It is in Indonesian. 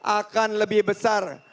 akan lebih besar